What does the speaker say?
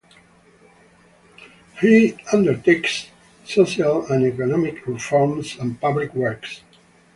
He undertakes social and economic reforms and public works.